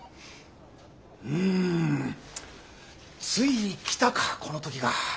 うんついに来たかこの時が。